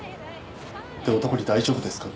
で男に大丈夫ですか？